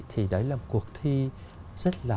thì đấy là một cuộc thi rất là